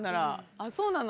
あっそうなの。